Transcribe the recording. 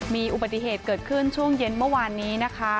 มีอุบัติเหตุเกิดขึ้นช่วงเย็นเมื่อวานนี้นะคะ